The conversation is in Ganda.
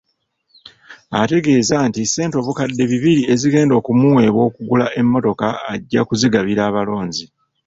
Ategeeza nti ssente obukadde bibiri ezigenda okumuweebwa okugula emmotoka ajja kuzigabira abalonzi.